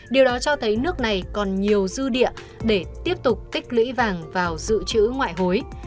điều đó cho thấy nước này còn nhiều dư địa để tiếp tục tích lũy vàng vào dự trữ ngoại hối